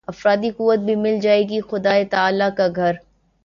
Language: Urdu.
افرادی قوت بھی مل جائے گی خدائے تعالیٰ کا گھر